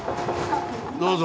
どうぞ。